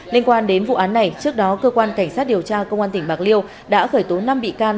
liên quan đến vụ án này trước đó cơ quan cảnh sát điều tra công an tỉnh bạc liêu đã khởi tố năm bị can